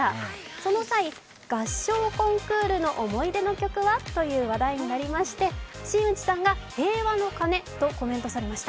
その際、合唱コンクールの思い出の曲はという話題になりまして新内さんが「ＨＥＩＷＡの鐘」とコメントされました。